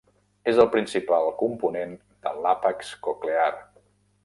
És el principal component de l'àpex coclear.